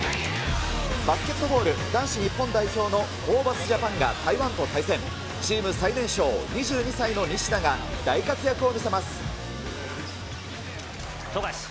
バスケットボール、男子日本代表のホーバスジャパンがチーム最年少、２２歳の西田が、富樫。